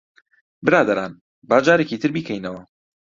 برادەران، با جارێکی تر بیکەینەوە.